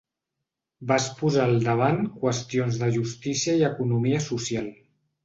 Vas posar al davant qüestions de justícia i economia social.